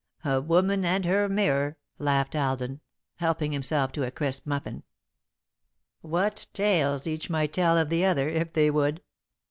"A woman and her mirror," laughed Alden, helping himself to a crisp muffin. "What tales each might tell of the other, if they would!"